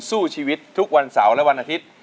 สู้ชีวิตทุกวันเสาร์และวันอาทิตย์